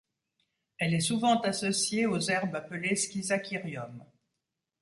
Elle est souvent associée aux herbes appelées Schizachyrium.